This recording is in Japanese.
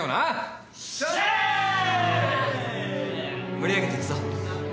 盛り上げていくぞ。